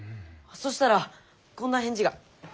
そしたらこんな返事が。